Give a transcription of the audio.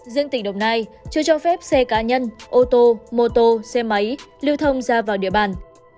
riêng tỉnh đồng nai chưa cho phép xe cá nhân ô tô mô tô xe máy lưu thông ra vào địa bàn